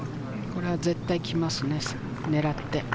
これは絶対来ますね、狙って。